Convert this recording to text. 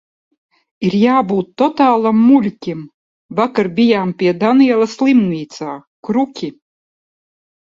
Ir jābūt totālam muļķim. Vakar bijām pie Daniela slimnīcā. Kruķi.